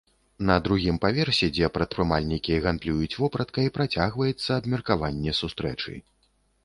На другім паверсе, дзе прадпрымальнікі гандлююць вопраткай, працягваецца абмеркаванне сустрэчы.